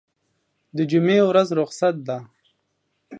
دجمعې ورځ رخصت ده